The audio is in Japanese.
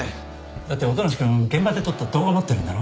だって音無君現場で撮った動画持ってるんだろ？